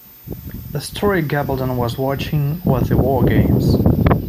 The story Gabaldon was watching was "The War Games".